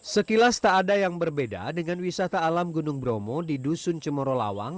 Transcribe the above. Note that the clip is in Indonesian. sekilas tak ada yang berbeda dengan wisata alam gunung bromo di dusun cemoro lawang